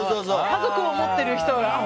家族を持っている人は。